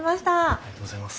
ありがとうございます。